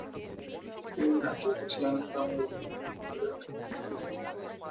তিনি আত্মবিশ্বাসী ছিলেন যে, তার অনুগত সেনাবাহিনীরা তাকে রক্ষা করবে।